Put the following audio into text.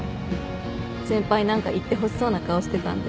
先輩何か言ってほしそうな顔してたんで。